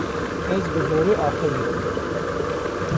Ez bi zorê axivîm.